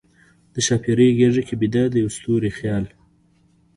د ښاپیرۍ غیږ کې بیده، د یوه ستوری خیال